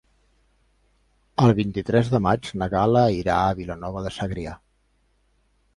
El vint-i-tres de maig na Gal·la irà a Vilanova de Segrià.